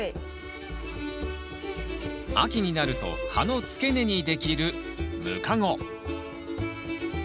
秋になると葉の付け根にできるムカゴ。